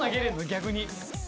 逆に。